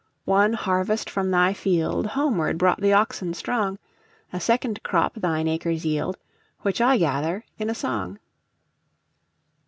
One harvest from thy fieldHomeward brought the oxen strong;A second crop thine acres yield, Which I gather in a song.